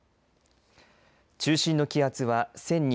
中心の気圧は１００２